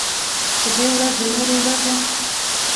په دې ورځ د نورو ورځو